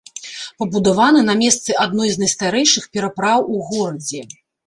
Пабудаваны на месцы адной з найстарэйшых перапраў у горадзе.